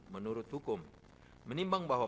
menurut hukum menimbang bahwa